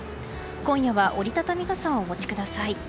今夜は折り畳み傘をお持ちください。